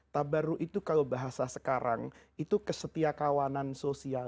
tabaru itu kalau bahasa sekarang itu kesetiakawanan sosial